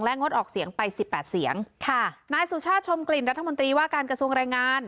งดออกเสียงไปสิบแปดเสียงค่ะนายสุชาติชมกลิ่นรัฐมนตรีว่าการกระทรวงแรงงาน